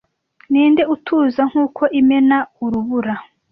ninde utuza nkuko imena urubura